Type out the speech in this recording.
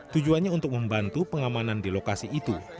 tujuannya untuk membantu pengamanan di lokasi itu